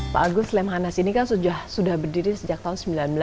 pak agus lemhanas ini kan sudah berdiri sejak tahun seribu sembilan ratus sembilan puluh